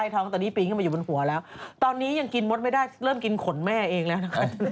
ตอนนี้กินมทยักษ์ไม่ได้เริ่มกินขนแม่เองแล้วกัน